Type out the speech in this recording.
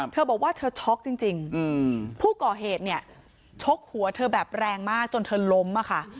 เธอบอกว่าเธอช็อกจริงผู้ก่อเหตุเนี่ยชกหัวเธอแบบแรงมากจนเธอล้มอะค่ะ